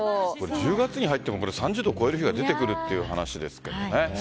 １０月に入っても３０度超える日が出てくるという話ですからね。